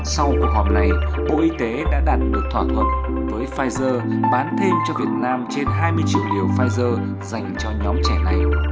sau cuộc họp này bộ y tế đã đạt được thỏa thuận với pfizer bán thêm cho việt nam trên hai mươi triệu liều pfizer dành cho nhóm trẻ này